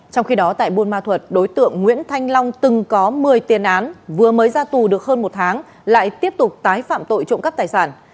trong khi đó tại buôn ma thuật đối tượng nguyễn thanh long từng có một mươi tiền án vừa mới ra tù được hơn một tháng lại tiếp tục tái phạm tội trộm cắp tài sản